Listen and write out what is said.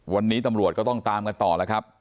วันนี้ตำรวจก็ต้องตามกันต่อแล้วครับ